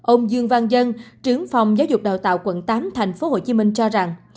ông dương văn dân trưởng phòng giáo dục đào tạo quận tám tp hcm cho rằng